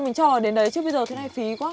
mình cho nó đến đấy chứ bây giờ thế này phí quá